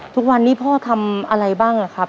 ทุกวันนี้พ่อทำอะไรบ้างครับ